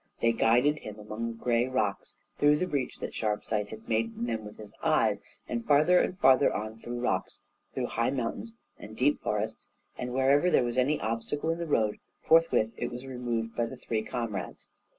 They guided him among the gray rocks through the breach that Sharpsight had made in them with his eyes, and farther and farther on through rocks, through high mountains and deep forests, and wherever there was any obstacle in the road, forthwith it was removed by the three comrades.